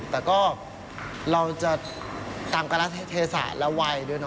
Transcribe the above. แต่ก็เราจะตามการรัฐเทศะและวัยด้วยเน